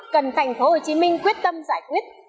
cần thành phố hồ chí minh quyết tâm giải quyết